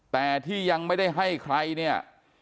แต่ที่ยังไม่ได้ให้ใครเนี่ย